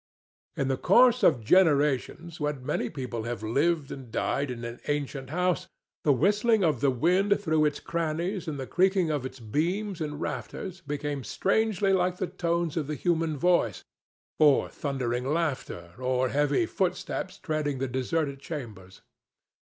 In the course of generations, when many people have lived and died in an ancient house, the whistling of the wind through its crannies and the creaking of its beams and rafters become strangely like the tones of the human voice, or thundering laughter, or heavy footsteps treading the deserted chambers.